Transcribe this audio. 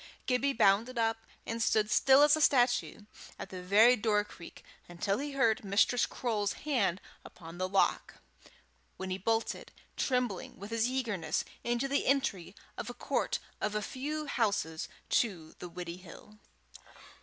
Gibbie bounded up and stood still as a statue at the very door cheek, until he heard Mistress Croale's hand upon the lock, when he bolted, trembling with eagerness, into the entry of a court a few houses nearer to the Widdiehill.